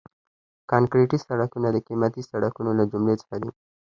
کانکریټي سړکونه د قیمتي سړکونو له جملې څخه دي